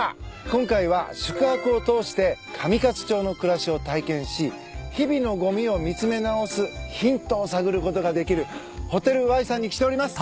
今回は宿泊を通して上勝町の暮らしを体験し日々のごみを見詰め直すヒントを探ることができるＨＯＴＥＬＷＨＹさんに来ております。